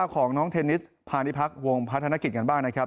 ของน้องเทนนิสพาณิพักษ์วงพัฒนกิจกันบ้างนะครับ